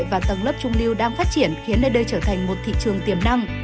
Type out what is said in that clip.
và tầng lớp trung lưu đang phát triển khiến nơi đây trở thành một thị trường tiềm năng